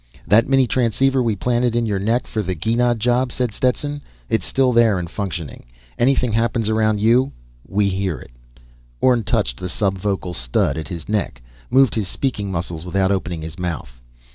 "That mini transceiver we planted in your neck for the Gienah job," said Stetson. "It's still there and functioning. Anything happens around you, we hear it." Orne touched the subvocal stud at his neck, moved his speaking muscles without opening his mouth.